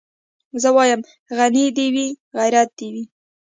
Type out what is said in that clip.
زه وايم غني دي وي غيرت دي وي